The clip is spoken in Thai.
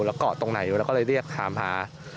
แล้วเกาะตรงไหนเราก็เลยเรียกถามหา